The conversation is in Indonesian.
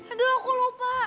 aduh aku lupa